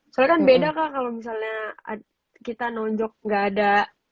soalnya kan beda kalau misalnya kita nonjok gak ada